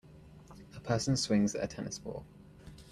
A person swings at a tennis ball.